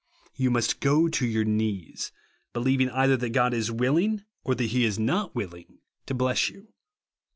You must go to your knees, believing either that God is willing, or that he is not willing, to bless you.